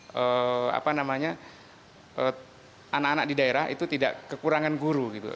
supaya anak anak di daerah itu tidak kekurangan guru